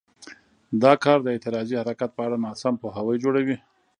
دا کار د اعتراضي حرکت په اړه ناسم پوهاوی جوړوي.